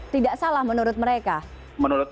tidak salah menurut mereka